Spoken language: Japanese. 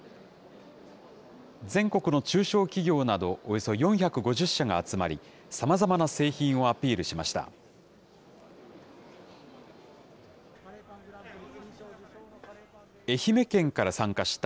全国の中小企業などおよそ４５０社が集まり、さまざまな製品をアピールしました。